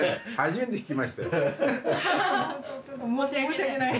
申し訳ない。